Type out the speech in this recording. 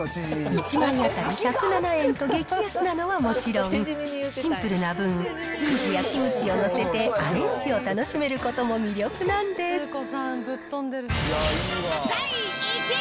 １枚当たり１０７円と激安なのはもちろん、シンプルな分、チーズやキムチを載せてアレンジを楽しめることも魅力なんです。